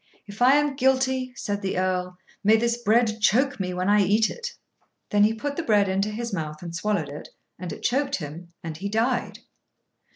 "If I am guilty," said the Earl, "may this bread choke me when I eat it!" Then he put the bread into his mouth and swallowed it, and it choked him, and he died.